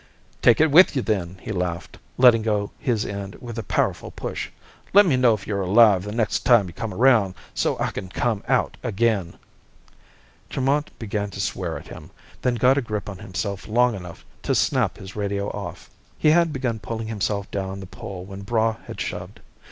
"Take it with you, then!" he laughed, letting go his end with a powerful push. "Let me know if you're alive the next time you come around, so I can come out again." Tremont began to swear at him, then got a grip on himself long enough to snap his radio off. He had begun pulling himself down the pole when Braigh had shoved.